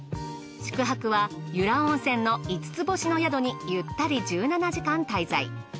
宿泊は由良温泉の五つ星の宿にゆったり１７時間滞在。